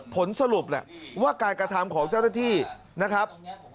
ผลสรุปแหละว่าการกระทำของเจ้าหน้าที่นะครับ